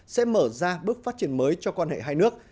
sẽ mở ra bước phát triển mới cho quan hệ hai nước